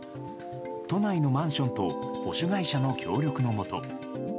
都内のマンションと保守会社の協力のもと